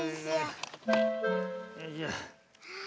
よいしょ。